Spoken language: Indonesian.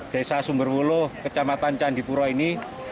desa sumbervulu kecamatan candituro ini